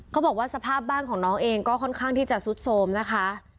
สภาพบ้านของน้องเองก็ค่อนข้างที่จะซุดโทรมนะคะ